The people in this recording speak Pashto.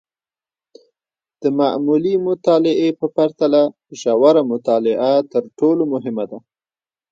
د معمولي مطالعې په پرتله، ژوره مطالعه تر ټولو مهمه ده.